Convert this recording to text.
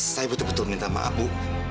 saya betul betul minta maaf bu